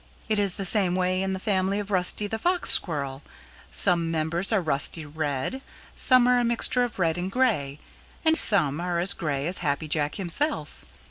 It is the same way in the family of Rusty the Fox Squirrel. Some members are rusty red, some are a mixture of red and gray, and some are as gray as Happy Jack himself.